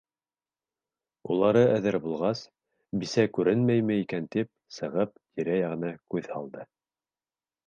Улары әҙер булғас, бисә күренмәйме икән тип, сығып, тирә-яғына күҙ һалды.